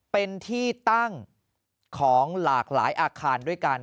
เป็นที่ตั้งของหลากหลายอาคารด้วยกัน